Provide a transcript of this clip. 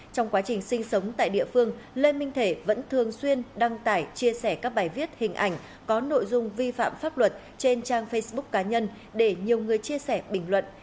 trong quá trình sinh sống tại địa phương lê minh thể vẫn thường xuyên đăng tải chia sẻ các bài viết hình ảnh có nội dung vi phạm pháp luật trên trang facebook cá nhân để nhiều người chia sẻ bình luận